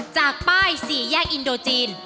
จากป้าย๔แยกอินโดจีน